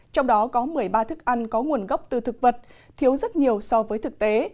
trong đó có một mươi ba thức ăn có nguồn gốc từ thực vật thiếu rất nhiều so với thực tế